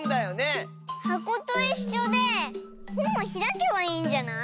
はこといっしょでほんもひらけばいいんじゃない？